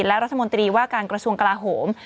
และรัฐมนตรีว่าการกระทรวงกลาโหม